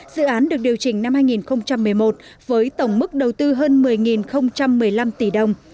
dự án được điều chỉnh năm hai nghìn một mươi một với tổng mức đầu tư hơn một mươi một mươi năm tỷ đồng